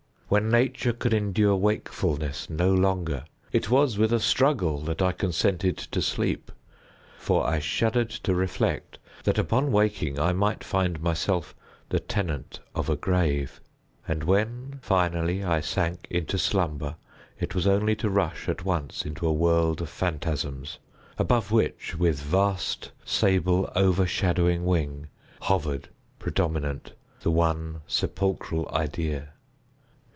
When Nature could endure wakefulness no longer, it was with a struggle that I consented to sleep—for I shuddered to reflect that, upon awaking, I might find myself the tenant of a grave. And when, finally, I sank into slumber, it was only to rush at once into a world of phantasms, above which, with vast, sable, overshadowing wing, hovered, predominant, the one sepulchral Idea.